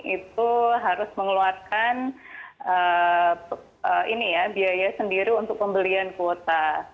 itu harus mengeluarkan biaya sendiri untuk pembelian kuota